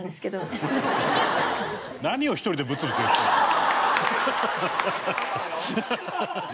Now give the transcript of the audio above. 何を１人でブツブツ言ってるの？